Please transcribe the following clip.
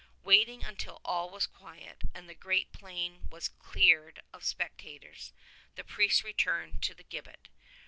Waiting until all was quiet and the great plain was cleared of spectators the priest returned to the gibbet.